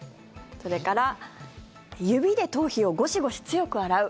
それから、指で頭皮をゴシゴシ強く洗う。